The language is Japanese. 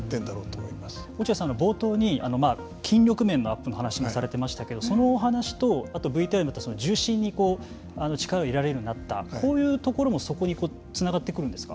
冒頭に筋力面のアップの話もされてましたけどそのお話とあとＶＴＲにもあった重心に力を入れられるようになったこういうところもそこにつながってくるんですか？